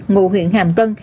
ngụ huyện hàm tân